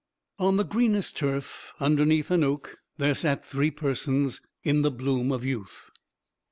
On the greenest turf, underneath an oak, there sat three persons, in the bloom of youth.